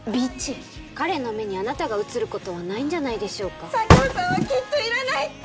彼の目にあなたが写ることはないんじゃないでしょうか佐京さんはきっといらないって！